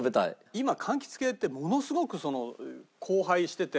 今柑橘系ってものすごく交配してて。